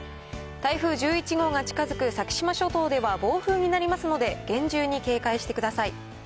台風１１号が近づく先島諸島では暴風になりますので、厳重に警戒してください。